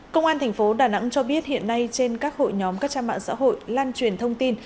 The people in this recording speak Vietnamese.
công an thành phố đà nẵng cho biết hiện nay trên các hội nhóm các trang mạng xã hội lan truyền thông tin